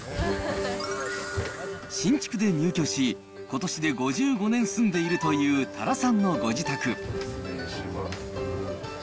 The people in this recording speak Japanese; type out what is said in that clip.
新築で入居し、ことしで５５年住んでいるという多良さんのご自宅。